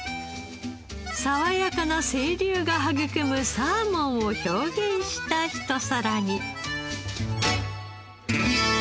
爽やかな清流が育むサーモンを表現したひと皿に。